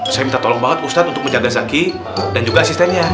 saya minta tolong banget ustadz untuk menjaga zaki dan juga asistennya